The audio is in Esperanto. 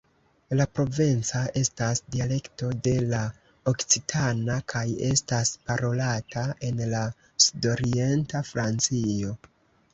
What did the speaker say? La provenca estas dialekto de la okcitana, kaj estas parolata en la sudorienta Francio.